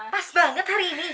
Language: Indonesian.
pas banget hari ini